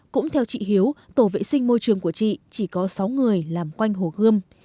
cũng theo chị hiếu tổ vệ sinh môi trường của chị chỉ có sáu người làm quanh hồ gươm